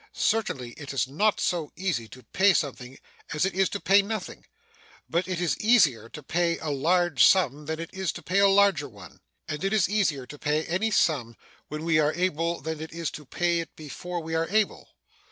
Certainly it is not so easy to pay something as it is to pay nothing, but it is easier to pay a large sum than it is to pay a larger one. And it is easier to pay any sum when we are able than it is to pay it before we are able.